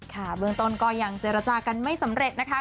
เบื้องต้นก็ยังเจรจากันไม่สำเร็จนะคะ